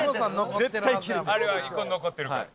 あれは遺恨残ってるから。